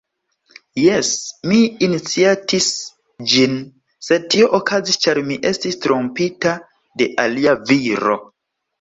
Jes, mi iniciatis ĝin, sed tio okazis ĉar mi estis trompita de alia viro.